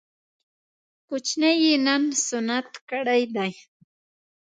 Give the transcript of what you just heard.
کوچنی يې نن سنت کړی دی